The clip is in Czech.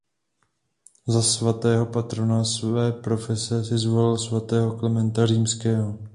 Za svatého patrona své profese si zvolili svatého Klementa Římského.